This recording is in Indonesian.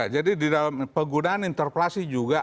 jadi di dalam penggunaan interpelasi juga